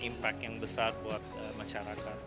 impak yang besar untuk masyarakat